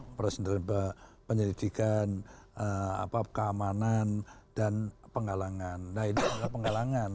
operasi intelijen penyelidikan keamanan dan pengalangan nah ini adalah pengalangan